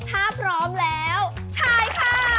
ถ้าพร้อมแล้วถ่ายค่ะ